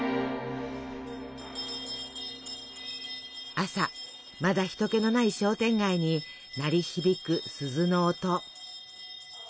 朝まだ人けのない商店街に鳴り響く鈴の音。